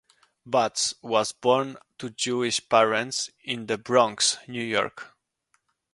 Butts was born to Jewish parents in the Bronx, New York.